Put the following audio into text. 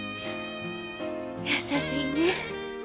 優しいね。